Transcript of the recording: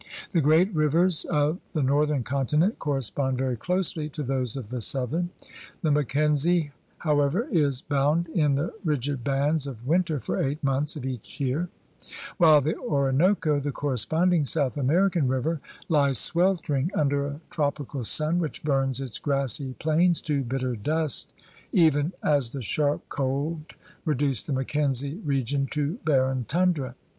The great rivers of the northern continent correspond very closely to those of the southern. The Mackenzie, however, is bound in the rigid bands of winter for eight months each year, while the Orinoco, the corresponding South American river, lies sweltering under a tropi cal sun which burns its grassy plains to bitter dust even as the sharp cold reduced the Mackenzie region to barren tundra.